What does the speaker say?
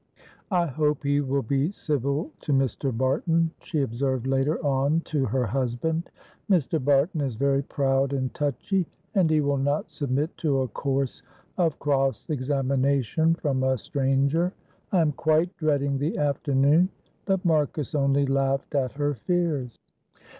"I hope he will be civil to Mr. Barton," she observed later on to her husband. "Mr. Barton is very proud and touchy, and he will not submit to a course of cross examination from a stranger. I am quite dreading the afternoon." But Marcus only laughed at her fears.